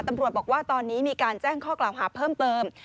ตำรวจบอกว่าตอนนี้มีการแจ้งข้อกล่าวหาเพิ่มเติม